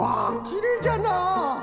きれいじゃな。